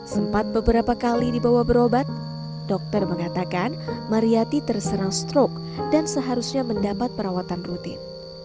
sempat beberapa kali dibawa berobat dokter mengatakan mariyati terserang strok dan seharusnya mendapat perawatan rutin